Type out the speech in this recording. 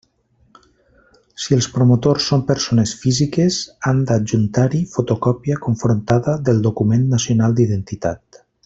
Si els promotors són persones físiques, han d'adjuntar-hi fotocòpia confrontada del document nacional d'identitat.